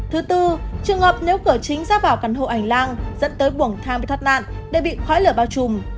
thứ tư trường hợp nếu cửa chính ra vào căn hộ hành lang dẫn tới buồng thang bị thoát nạn để bị khói lửa bao trùm